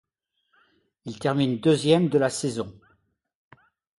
Il termine deuxième de la saison.